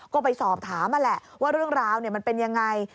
ก็ไปสอบถามแล้วแหละว่ารุ่นร้าวมันเป็นอย่างไร